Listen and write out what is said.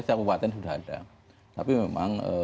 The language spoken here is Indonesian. kabupaten sudah ada tapi memang